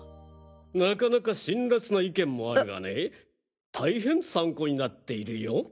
なかなか辛辣な意見もあるがね大変参考になっているよ。